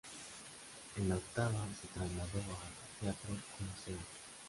En la octava, se trasladó al Teatro Coliseum.